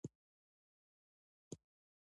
لږه لږه مې ساه بندیږي.